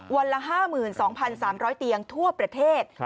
วันละ๕๒๓๐๐เตียงทั่วประเทศ